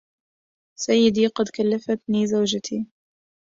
سيدي قد كلفتني زوجتي